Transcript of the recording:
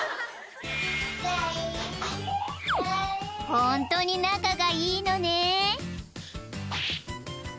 ［ホントに仲がいいのね］